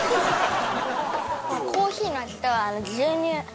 コーヒーの味と牛乳。